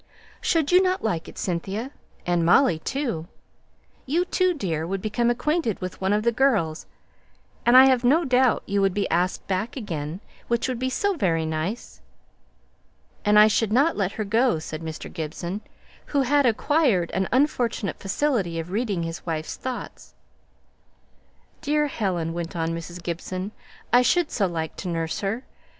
"Should not you like it, Cynthia? and Molly too? You then, dear, would become acquainted with one of the girls, and I have no doubt you would be asked back again, which would be so very nice!" "And I shouldn't let her go," said Mr. Gibson, who had acquired an unfortunate facility of reading his wife's thoughts. "Dear Helen!" went on Mrs. Gibson, "I should so like to nurse her!